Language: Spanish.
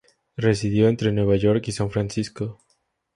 Residió entre Nueva York y San Francisco.